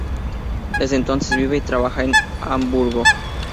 Desde entonces vive y trabaja en Hamburgo.